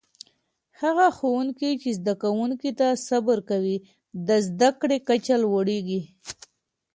هغه ښوونکي چې زده کوونکو ته صبر کوي، د زده کړې کچه لوړېږي.